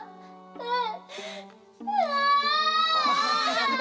うん！